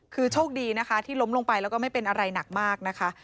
คือโชคดีนะคะที่ล้มลงไปแล้วก็ไม่เป็นอะไรหนักมากนะคะ